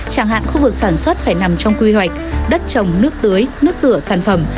chẳng hạn khu vực sản xuất phải nằm trong quy hoạch đất trồng nước tưới nước rửa sản phẩm